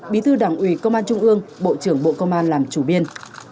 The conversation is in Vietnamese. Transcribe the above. bí thư đảng ủy công an trung ương bộ trưởng bộ công an làm chủ biên